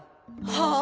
はあ？